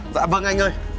dạ vâng anh ơi